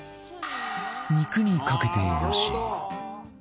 肉にかけて良し